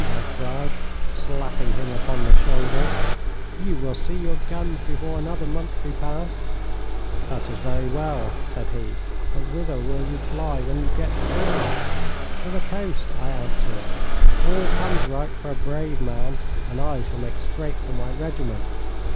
I cried, slapping him upon the shoulder. 'You will see your guns before another month be past.' 'That is very well,' said he. 'But whither will you fly when you get free?' 'To the coast,' I answered. 'All comes right for a brave man, and I shall make straight for my regiment.'